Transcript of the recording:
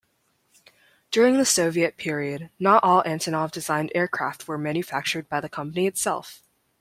During the Soviet period, not all Antonov-designed aircraft were manufactured by the company itself.